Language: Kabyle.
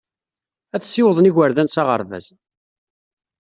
Ad ssiwḍen igerdan s aɣerbaz.